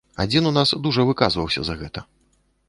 Адзін у нас дужа выказваўся за гэта.